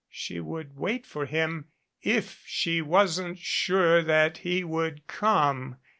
She would wait for him if she wasn't sure that he would come.